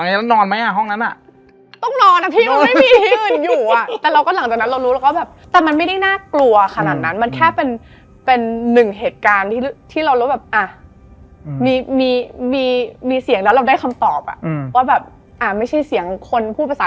จนกระทั่งมันเจอเหตุการณ์ไม่ค่อยมาเชิญอยู่ค่ะ